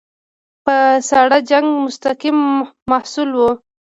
د ساړه جنګ مستقیم محصول وو.